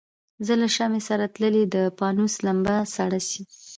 زه له شمعي سره تللی د پانوس لمبه سړه سي